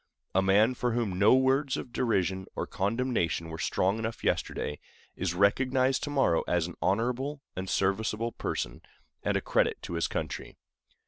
A man for whom no words of derision or condemnation were strong enough yesterday is recognized to morrow as an honorable and serviceable person, and a credit to his country.